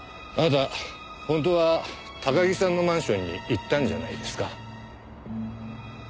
あなた本当は高木さんのマンションに行ったんじゃないですか？